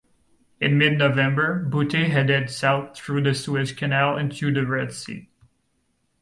In mid-November, "Butte" headed south through the Suez Canal into the Red Sea.